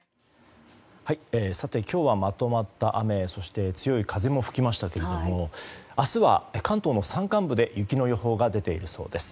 今日はまとまった雨そして強い風も吹きましたけれども明日は関東の山間部で雪の予報が出ているそうです。